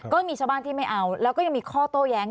ก็มีชาวบ้านที่ไม่เอาแล้วก็ยังมีข้อโต้แย้ง